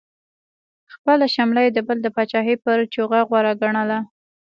خپله شمله یې د بل د پاچاهۍ پر جوغه غوره ګڼله.